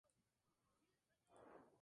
Es utilizado por la Alianza Rebelde.